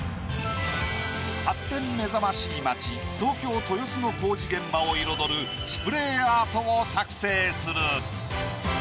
発展目覚ましい街東京・豊洲の工事現場を彩るスプレーアートを作製する。